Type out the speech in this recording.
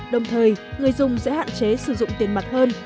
đồng thời người dùng sẽ hạn chế sử dụng tiền mặt hơn